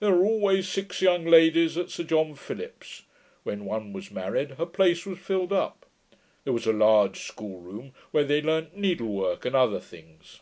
There were always six young ladies at Sir John Philips's: when one was married, her place was filled up. There was a large school room, where they learnt needlework and other things.'